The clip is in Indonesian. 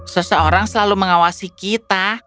seseorang selalu mengawasi kita